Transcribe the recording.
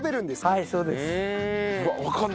はいそうです。うん。